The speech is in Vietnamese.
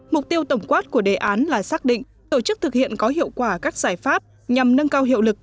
mục tiêu tổng quát của đề án là xác định tổ chức thực hiện có hiệu quả các giải pháp nhằm nâng cao hiệu lực